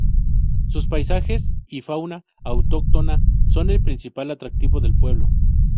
Sus paisajes y fauna autóctona son el principal atractivo del pueblo.